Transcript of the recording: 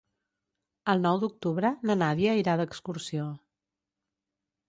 El nou d'octubre na Nàdia irà d'excursió.